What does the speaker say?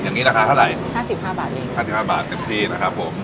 อย่างนี้ราคาเท่าไหร่๕๕บาทเอง๕๕บาทเต็มที่นะครับผม